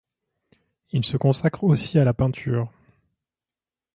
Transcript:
Il se consacre aussi à la peinture.